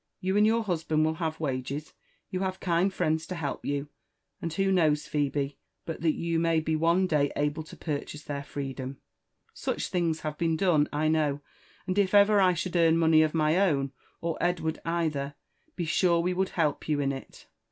You and your husband will have wage» ^you have kind friends to help you, and who knows, Phebe, but that you may be one day able to purchase their freedom? Such things have been done, I 304 LIFE AND ADVENTURES OF koow ; and it ever I should earn money of my own, or Edward either, he sure we would help you in it."